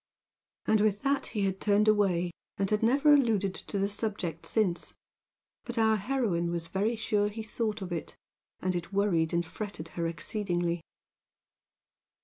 And with that he had turned away, and had never alluded to the subject since; but our heroine was very sure he thought of it, and it worried and fretted her exceedingly.